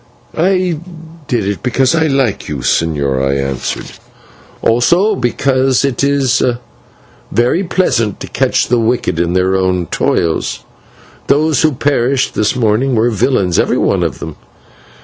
"I did it because I like you, señor," I answered, "also because it is very pleasant to catch the wicked in their own toils. Those who perished this morning were villains, every one of them.